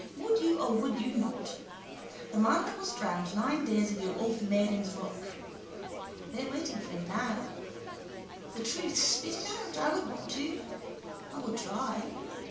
Would you or would you not? The man that was drowned nine days ago off Maiden's rock. They are waiting for him now. The truth, spit it out. I would want to. I would try.